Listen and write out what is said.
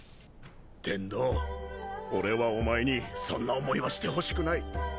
天道俺はお前にそんな思いはしてほしくない。